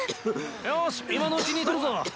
よし今のうちに撮るぞ。